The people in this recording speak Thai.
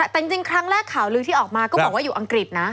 แต่จริงครั้งแรกข่าวลือที่ออกมาก็บอกว่าอยู่อังกฤษนะ